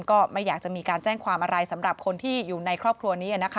ก็ไม่อยากจะมีการแจ้งความอะไรสำหรับคนที่อยู่ในครอบครัวนี้นะคะ